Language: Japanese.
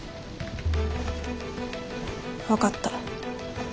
分かった。